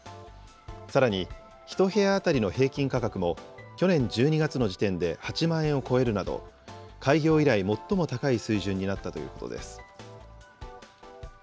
さらに、１部屋当たりの平均価格も、去年１２月の時点で８万円を超えるなど、開業以来最も高い水準になったということです。